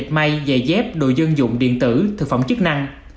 may giày dép đồ dân dụng điện tử thực phẩm chức năng